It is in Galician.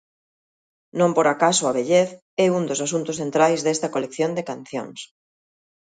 Non por acaso a vellez é un dos asuntos centrais desta colección de cancións.